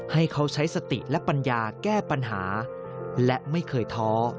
ให้เขาใช้สติและปัญญาแก้ปัญหาและไม่เคยท้อ